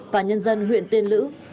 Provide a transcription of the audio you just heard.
và nhân dân huyện tiên lữ